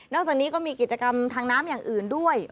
จากนี้ก็มีกิจกรรมทางน้ำอย่างอื่นด้วย